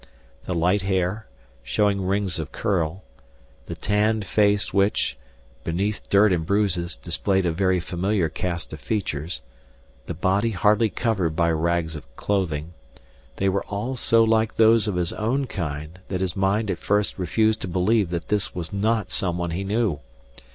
The light hair, showing rings of curl, the tanned face which, beneath dirt and bruises, displayed a very familiar cast of features, the body hardly covered by rags of clothing they were all so like those of his own kind that his mind at first refused to believe that this was not someone he knew.